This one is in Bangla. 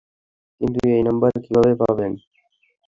কিন্তু এই নাম্বার কীভাবে পাবেন?